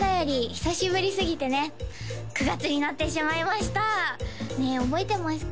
久しぶりすぎてね９月になってしまいました覚えてますか？